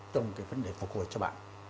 trong vấn đề phục hồi cho bạn